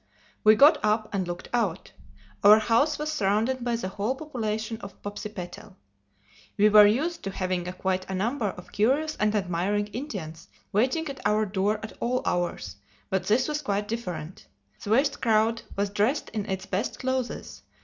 We got up and looked out. Our house was surrounded by the whole population of Popsipetel. We were used to having quite a number of curious and admiring Indians waiting at our door at all hours; but this was quite different. The vast crowd was dressed in its best clothes.